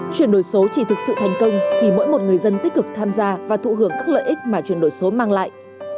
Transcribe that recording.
chuyển đổi số chỉ thực sự thành công khi mỗi một người dân tích cực tham gia và thụ hưởng các lợi ích mà chuyển đổi số mang lại